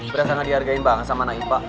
berasa gak dihargai banget sama anak ipa